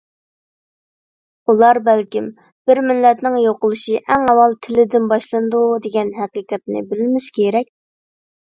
ئۇلار بەلكىم «بىر مىللەتنىڭ يوقىلىشى ئەڭ ئاۋۋال تىلىدىن باشلىنىدۇ» دېگەن ھەقىقەتنى بىلمىسە كېرەك!